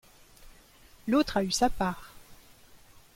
L’autre a eu sa part.